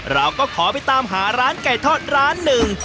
เราก็ขอไปตามหาร้านไก่ทอดร้านหนึ่ง